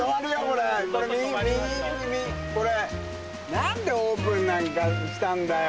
何でオープンなんかにしたんだよ。